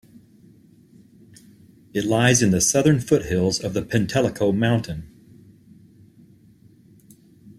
It lies in the southern foothills of the Penteliko Mountain.